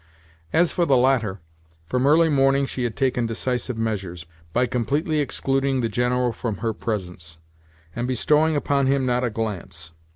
As for the latter, from early morning she had taken decisive measures, by completely excluding the General from her presence, and bestowing upon him not a glance.